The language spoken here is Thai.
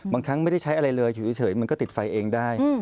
ครั้งไม่ได้ใช้อะไรเลยอยู่เฉยมันก็ติดไฟเองได้